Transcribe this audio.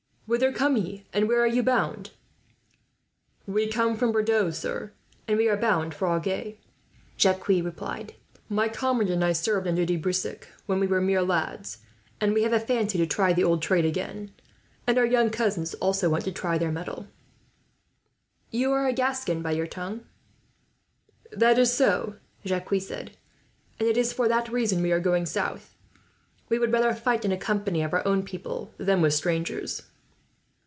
"Whither come you, and where are you bound, my men?" "We come from Bordeaux, sir, and we are bound for Agen," Jacques replied. "My comrade and I served under De Brissac, when we were mere lads, and we have a fancy to try the old trade again; and our young cousins also want to try their metal." "You are a Gascon, by your tongue?" "That is so," Jacques said; "and it is for that reason we are going south. We would rather fight in a company of our own people than with strangers."